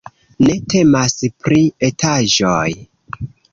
Ne temas pri etaĵoj.